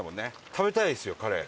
食べたいですよカレー。